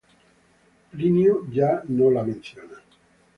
Plinio ya no la menciona.